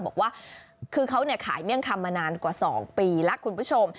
บอกว่าคือเขาขายเมี่ยงคำมานานกว่า๒ปีแล้วคุณผู้ชม